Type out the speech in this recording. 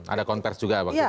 ada kontras juga waktu itu ya